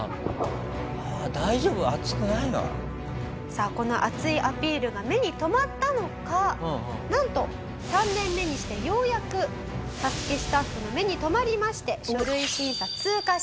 さあこの熱いアピールが目に留まったのかなんと３年目にしてようやくＳＡＳＵＫＥスタッフの目に留まりまして書類審査通過しました。